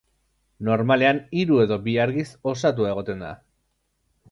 Normalean, hiru edo bi argiz osatua egoten da.